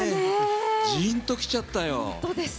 ジーンときちゃったよ。